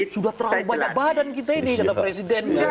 sudah terlalu banyak badan kita ini kata presiden